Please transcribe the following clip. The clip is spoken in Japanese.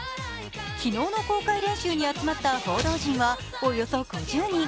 昨日の公開練習に集まった報道陣はおよそ５０人。